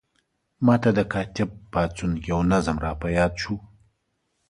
ما ته د کاتب پاڅون یو نظم را په یاد شو.